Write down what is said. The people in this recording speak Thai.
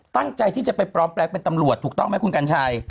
ตั้งใจที่จะไปปลอมแปลงเป็นตำรวจถูกต้องไหมคุณกัญชัย